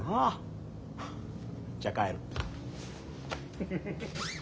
フフフフ。